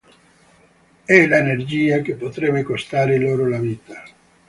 È l’energia che potrebbe costare loro la vita.